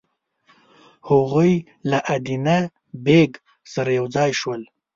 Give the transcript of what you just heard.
هغوی له ادینه بېګ سره یو ځای شول.